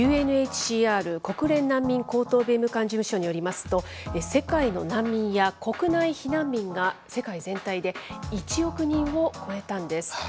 ＵＮＨＣＲ・国連難民高等弁務官事務所によりますと、世界の難民や国内避難民が世界全体で１億人を超えたんです。